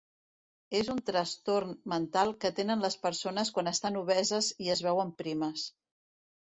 És un trastorn mental que tenen les persones quan estan obeses i es veuen primes.